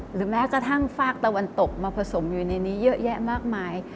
หรือแม้กระทั่งฝากตะวันตกมาผสมอยู่ในนี้เยอะแยะมากมาย